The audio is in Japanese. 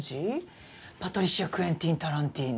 パトリシア・クエンティン・タランティーノ。